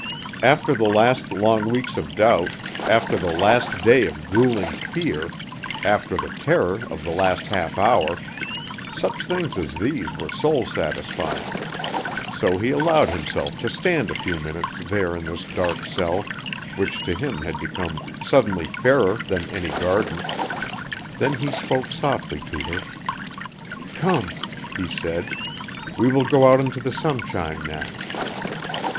After the last long weeks of doubt, after the last day of gruelling fear, after the terror of the last half hour, such things as these were soul satisfying. So he allowed himself to stand a few minutes there in this dark cell which to him had become suddenly fairer than any garden. Then he spoke softly to her: "Come," he said, "we will go out into the sunshine now."